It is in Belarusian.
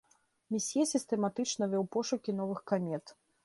Месье сістэматычна вёў пошукі новых камет.